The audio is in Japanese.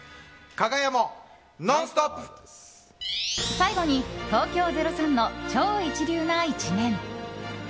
最後に、東京０３の超一流な一面。